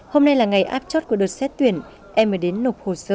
hôm nay là ngày áp chốt của đợt xét tuyển em mới đến nộp hồ sơ